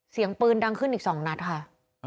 เสียงปืนดังขึ้นอีก๒นัดค่ะ